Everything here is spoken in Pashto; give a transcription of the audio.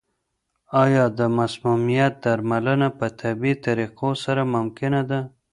آیا د مسمومیت درملنه په طبیعي طریقو سره ممکنه ده؟